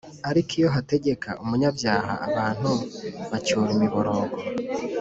ariko iyo hategeka umunyabyaha abantu bacura imiborogo